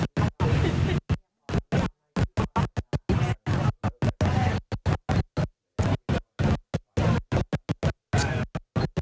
ต่ายภงนายเพลิงหน่อยก็ใดกันนะครับ